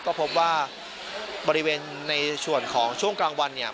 ก็พบว่าบริเวณในส่วนของช่วงกลางวันเนี่ย